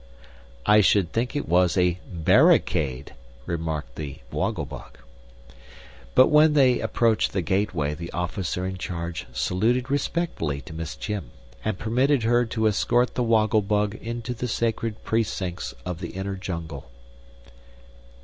"I should think it was a bearicade," remarked the Woggle Bug. But when they approached the gateway the officer in charge saluted respectfully to Miss Chim, and permitted her to escort the Woggle Bug into the sacred precincts of the Inner Jungle.